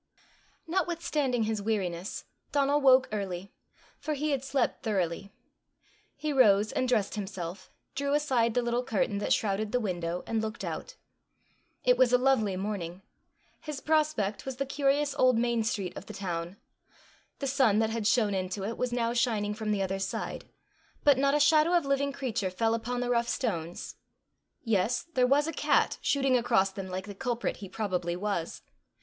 Notwithstanding his weariness, Donal woke early, for he had slept thoroughly. He rose and dressed himself, drew aside the little curtain that shrouded the window, and looked out. It was a lovely morning. His prospect was the curious old main street of the town. The sun that had shone into it was now shining from the other side, but not a shadow of living creature fell upon the rough stones! Yes there was a cat shooting across them like the culprit he probably was!